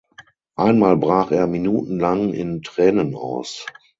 Einmal brach er minutenlang in Tränen aus.